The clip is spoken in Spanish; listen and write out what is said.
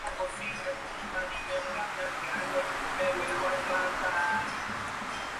En este sentido, hay que destacar antes de nada que aquí es imposible morir.